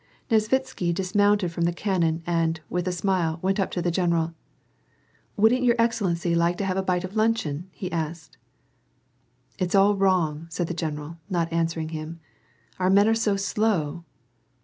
Nesvitsky dismounted from the cannon and, with a smile, went up to the general :" Wouldn't your excellency like to have a bite of luncheon ?" he asked. " It's all wrong," said the general, not answering him, " Our men are so slow."